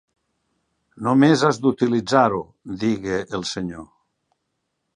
Només has d'utilitzar-ho, digué el Senyor.